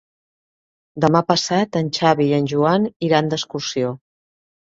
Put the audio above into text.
Demà passat en Xavi i en Joan iran d'excursió.